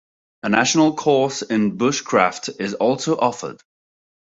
A National course in bushcraft is also offered.